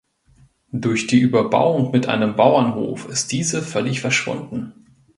Durch die Überbauung mit einem Bauernhof ist diese völlig verschwunden.